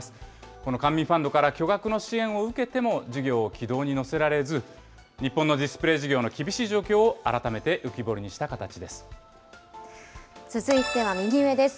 この官民ファンドから巨額の支援を受けても、事業を軌道に乗せられず、日本のディスプレー事業の厳しい状況を改めて浮き彫りにした形で続いては右上です。